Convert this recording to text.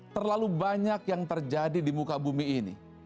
terlalu banyak yang terjadi di muka bumi ini